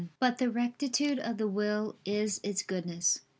But the rectitude of the will is its goodness.